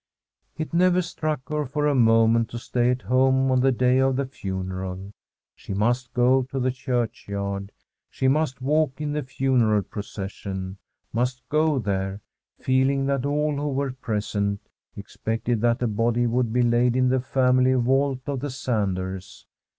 It never struck her for a moment to stay at home on the day of the funeral. She must go to the churchyard, she must walk in the funeral pro cession — must go there, feeling that all who were present expected that the body would be laid in the family vault of the Sanders.